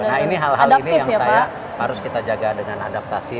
nah ini hal hal ini yang saya harus kita jaga dengan adaptasi